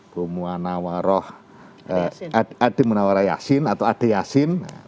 bumuanawaroh ademunawarayasin atau adeyasin